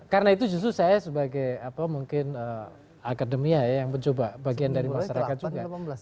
karena itu justru saya sebagai akademia yang mencoba bagian dari masyarakat juga